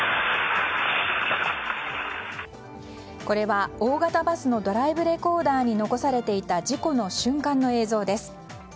これは、大型バスのドライブレコーダーに残されていた事故の瞬間の映像です。